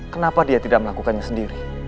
kenapa dia tidak melakukannya sendiri